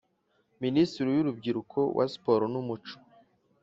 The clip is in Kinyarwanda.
minisiteri y urubyiruko wa siporo n umuco